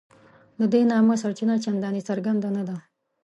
د دې نامه سرچینه چنداني څرګنده نه ده.